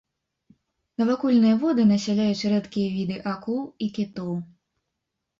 Навакольныя воды насяляюць рэдкія віды акул і кітоў.